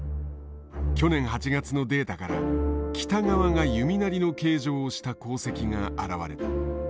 去年８月のデータから北側が弓なりの形状をした航跡が現れた。